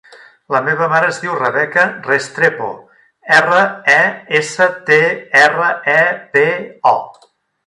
La meva mare es diu Rebeca Restrepo: erra, e, essa, te, erra, e, pe, o.